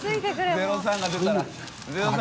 「０３」が出たら。